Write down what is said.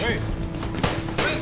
はい！